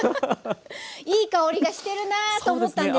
いい香りがしてるなと思ったんですけれども。